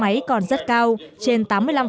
máy còn rất cao trên tám mươi năm